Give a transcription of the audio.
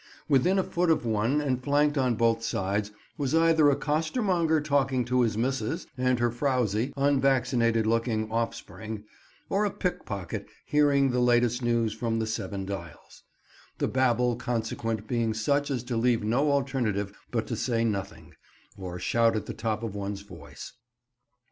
Within a foot of one, and flanked on both sides, was either a costermonger talking to his missus and her frowsy, unvaccinated looking offspring, or a pickpocket hearing the latest news from the Seven Dials; the Babel consequent being such as to leave no alternative but to say nothing, or shout at the top of one's voice.